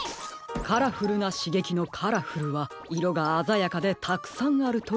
「カラフルなしげき」の「カラフル」はいろがあざやかでたくさんあるといういみです。